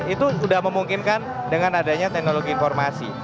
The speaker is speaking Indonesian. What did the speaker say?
itu sudah memungkinkan dengan adanya teknologi informasi